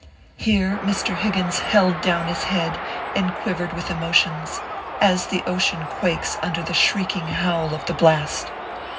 Here Mr. Higgins held down his head and quivered with emotions, as the ocean quakes under the shriek ing howl of the blast.